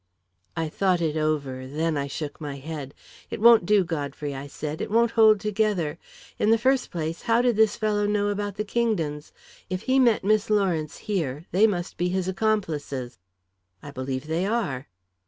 I thought it over; then I shook my head. "It won't do, Godfrey," I said. "It won't hold together. In the first place, how did this fellow know about the Kingdons? If he met Miss Lawrence here, they must be his accomplices." "I believe they are."